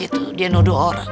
bener aja tuh dia nuduh orang